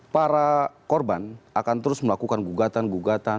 para korban akan terus melakukan gugatan gugatan